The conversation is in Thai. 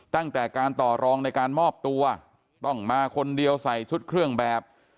ตั้งแต่การต่อรองในการมอบตัวต้องมาคนเดียวใส่ชุดเครื่องแบบ